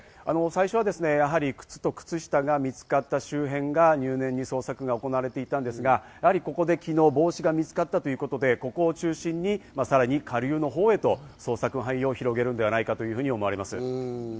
最初はやはり靴と靴下が見つかった周辺が入念に捜索が行われていたんですが、やはりここで昨日、帽子が見つかったということでここを中心にさらに下流のほうへと捜索範囲を広げるのではないかというふうに思われます。